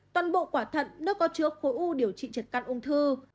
toàn bộ quả thận nếu có trước khối u điều trị triệt căn ung thư